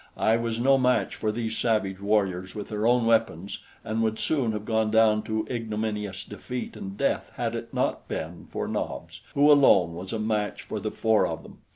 I was no match for these savage warriors with their own weapons and would soon have gone down to ignominious defeat and death had it not been for Nobs, who alone was a match for the four of them.